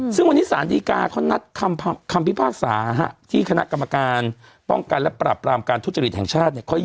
ซึ่งวันนี้สารดีกาเขานัดคำพิพากษาที่คณะกรรมการป้องกันและปราบรามการทุจริตแห่งชาติเนี่ย